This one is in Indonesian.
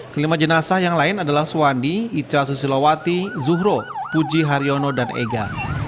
kelima jenazah yang lain adalah suwandi ica susilowati zuhro puji haryono dan ega